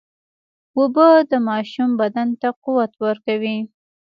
اوبه د ماشوم بدن ته قوت ورکوي.